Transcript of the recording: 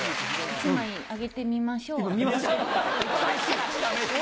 １枚あげてみましょう。